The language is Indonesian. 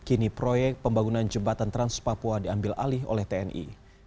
kini proyek pembangunan jembatan trans papua diambil alih oleh tni